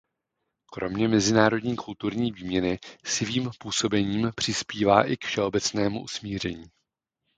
Kromě mezinárodní kulturní výměny svým působením přispívá i k všeobecnému usmíření.